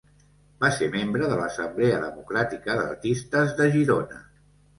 Va ser membre de l'Assemblea Democràtica d'Artistes de Girona.